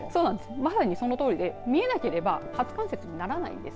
まさにそのとおりで見えなければ初冠雪になりません。